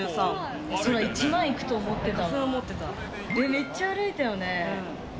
めっちゃ歩いたよね。